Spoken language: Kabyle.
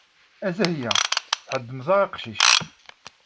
A Zahya tɛedmeḍ-aɣ aqcic.